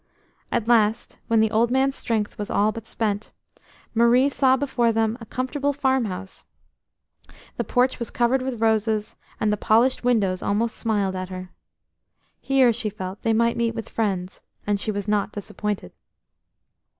At last, when the old man's strength was all but spent, Marie saw before them a comfortable farmhouse. The porch was covered with roses, and the polished windows almost smiled at her. Here, she felt, they might meet with friends, and she was not disappointed.